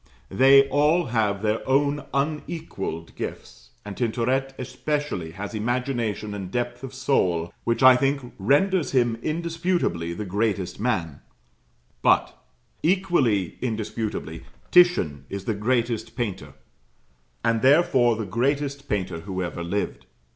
They all have their own unequalled gifts, and Tintoret especially has imagination and depth of soul which I think renders him indisputably the greatest man; but, equally indisputably, Titian is the greatest painter; and therefore the greatest painter who ever lived.